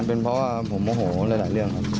เป็นเพราะว่าผมโมโหหลายเรื่องครับ